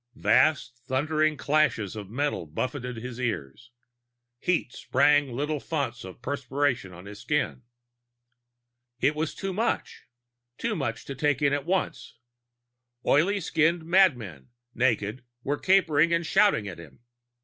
Vast thundering crashes of metal buffeted his ears. Heat sprang little founts of perspiration on his skin. It was too much, too much to take in at once. Oily skinned madmen, naked, were capering and shouting at him.